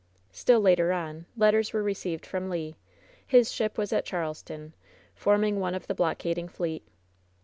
Still later on letters were received from Le. His ship was at Charleston, forming one of the blockading fleet.